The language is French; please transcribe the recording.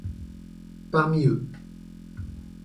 Parmi eux,